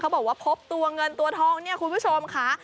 บอกว่าพบตัวเงินตัวทองเนี่ยคุณผู้ชมค่ะ